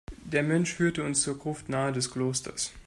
Der Mönch führte uns zur Gruft nahe des Klosters.